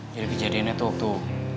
jadi kejadiannya tuh